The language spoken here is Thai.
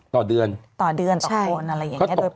ต่อเดือนต่อเดือนต่อคนอะไรอย่างนี้